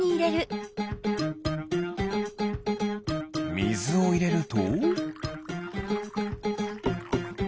みずをいれると？